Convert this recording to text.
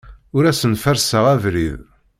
Ur asen-ferrseɣ abrid.